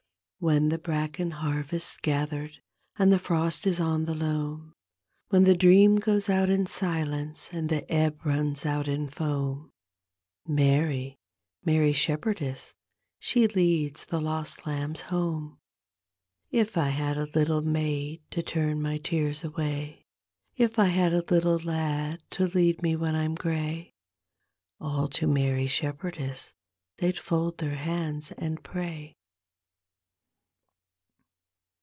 When the bractcn harvest's gathered and die frost is on the loam When the dream goes out in silence and the ebb runs out in foam, Mary, Mary Shepherdess, she leads the lost lambs home. If I bad a little maid to turn my tears away. If 1 had a little lad to lead me when I'm gray. All to Mary Shepherdess they'd fold their hands and pray.